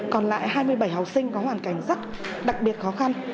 còn lại hai mươi bảy học sinh có hoàn cảnh rất đặc biệt khó khăn